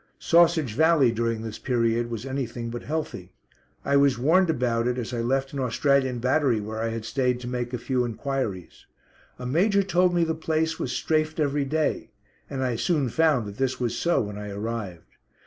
"Sausage Valley" during this period was anything but healthy. I was warned about it as I left an Australian battery where I had stayed to make a few enquiries. A major told me the place was "strafed" every day, and I soon found that this was so when I arrived.